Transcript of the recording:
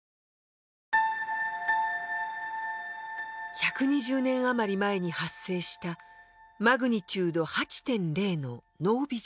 １２０年余り前に発生したマグニチュード８．０の濃尾地震。